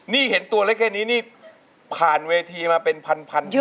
นี่เห็นตัวเล็กนี้ผ่านเวทีมาเป็นพันที่แล้ว